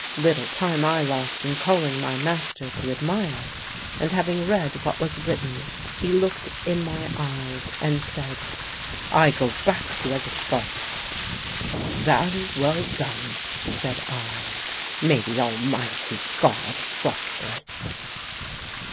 Little time I lost in calling my master to admire, and having read what was written, he looked in my eyes and said, "I go back to Egeskov." "That is well done," said I; "may the Almighty God prosper it!"